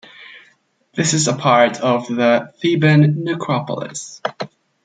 This is a part of the Theban Necropolis.